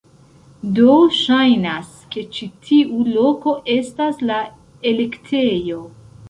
Do, ŝajnas ke ĉi tiu loko estas la elektejo